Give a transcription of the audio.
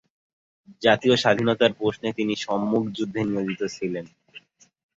জাতীয় স্বাধীনতার প্রশ্নে তিনি সম্মুখ যুদ্ধে নিয়োজিত ছিলেন।